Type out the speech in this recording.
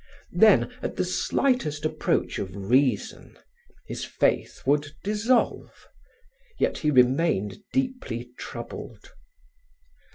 Then, at the slightest approach of reason, his faith would dissolve. Yet he remained deeply troubled.